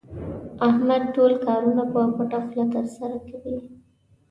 احمد ټول کارونه په پټه خوله ترسره کوي.